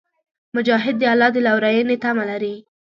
مجاهد د الله د لورینې تمه لري.